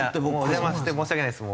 お邪魔して申し訳ないです。